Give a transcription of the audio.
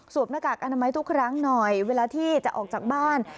หน้ากากอนามัยทุกครั้งหน่อยเวลาที่จะออกจากบ้าน